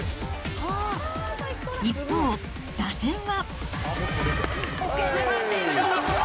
一方、打線は。